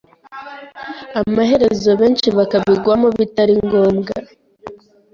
amaherezo benshi bakabigwamo bitari ngombwa.